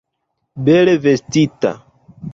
Bele vestita.